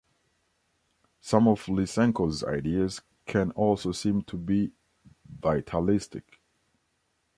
Some of Lysenko's ideas can also seem to be vitalistic.